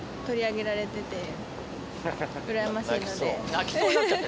泣きそうになっちゃって。